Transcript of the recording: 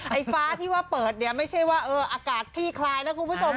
ไฟฟ้าที่ว่าเปิดเนี่ยไม่ใช่ว่าอากาศคลี่คลายนะคุณผู้ชม